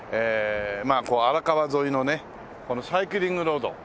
まあ荒川沿いのねこのサイクリングロード。